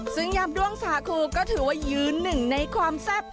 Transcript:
ซึ่งยำด้วงสาคูก็ถือว่ายืนหนึ่งในความแซ่บ